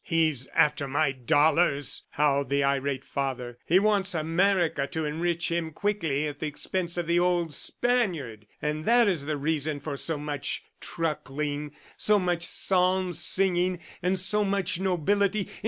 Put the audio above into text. "He's after my dollars," howled the irate father. "He wants America to enrich him quickly at the expense of the old Spaniard, and that is the reason for so much truckling, so much psalm singing and so much nobility!